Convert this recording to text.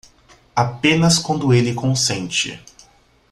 Apenas quando ele consente.